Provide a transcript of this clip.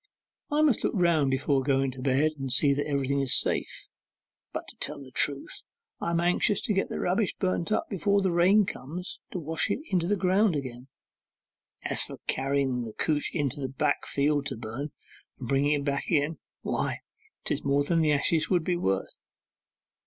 'I must look round before going to bed and see that everything's safe; but to tell the truth I am anxious to get the rubbish burnt up before the rain comes to wash it into ground again. As to carrying the couch into the back field to burn, and bringing it back again, why, 'tis more than the ashes would be worth.